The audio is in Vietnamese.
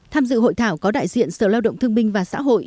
tham dự hội thảo có đại diện sở lao động thương minh và xã hội